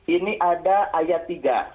ini ada ayat tiga